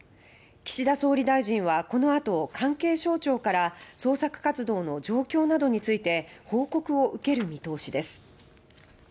岸田総理大臣はこの後、関係省庁から捜索活動の状況などについて報告を受ける見通しです。